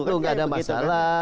tidak ada masalah